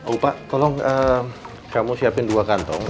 oh pak tolong kamu siapin dua kantong